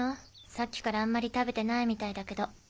さっきからあんまり食べてないみたいだけど。